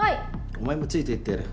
お前もついていってやれ。